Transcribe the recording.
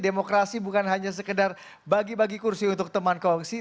demokrasi bukan hanya sekedar bagi bagi kursi untuk teman kongsi